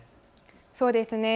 そうですね。